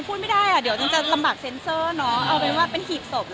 พูดไม่ได้อะเดี๋ยวจะลำบัดเซ็นเสอร์เอาเป็นว่าหรือเป็นหีบศพ